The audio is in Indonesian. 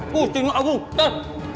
pusing aku tar